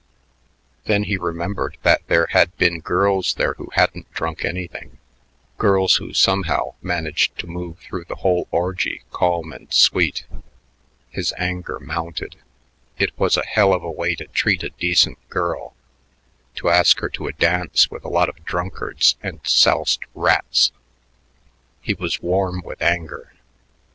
Then he remembered that there had been girls there who hadn't drunk anything, girls who somehow managed to move through the whole orgy calm and sweet. His anger mounted. It was a hell of a way to treat a decent girl, to ask her to a dance with a lot of drunkards and soused rats. He was warm with anger.